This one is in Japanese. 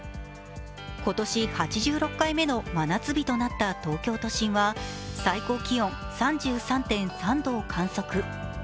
今年８６回目の真夏日となった東京都心は最高気温３３．３度を観測。